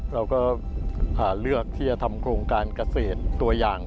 เราก็เลือกที่จะทำโครงการเกษตรตัวอย่าง